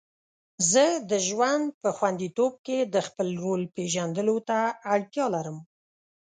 زه د ژوند په خوندیتوب کې د خپل رول پیژندلو ته اړتیا لرم.